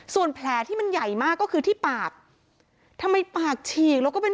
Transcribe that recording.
ส่วนแผลที่มันใหญ่มากก็คือที่ปากทำไมปากฉีกแล้วก็เป็น